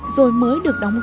rồi mới được đồng hành